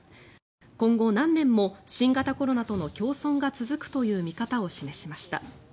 今後、何年も新型コロナとの共存が続くという見方を示しました。